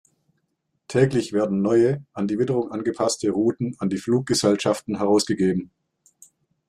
Täglich werden neue, an die Witterung angepasste Routen an die Fluggesellschaften herausgegeben.